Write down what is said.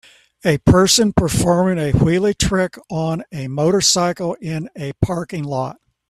A person performing a wheelie trick on a motorcycle in a parking lot